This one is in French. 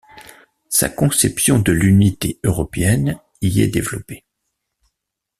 Sa conception de l’unité européenne y est développée.